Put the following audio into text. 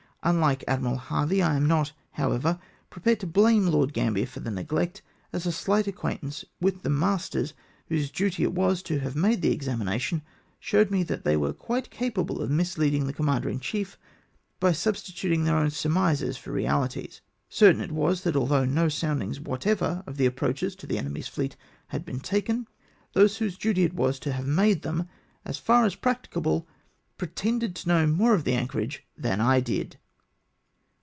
Unhke Admiral Harvey, I am not, however, prepared to blame Lord Gambler for the neglect, as a shght acquaintance with the masters, whose duty it was to have made the examination, showed me that they were quite capable of misleading the com mander in chief, by substituting their own surmises for reahties. Certain it was, that although no soundings whatever of the approaches to the enemy's fleet had been taken, those whose duty it was to have made them, as far as practicable, pretended to know more of the anchorage than I did